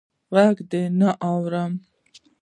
ږغ دي نه اورم.